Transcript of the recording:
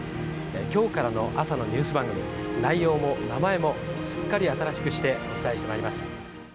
きょうからの朝のニュース番組、内容も名前も、しっかり新しくして、お伝えしてまいります。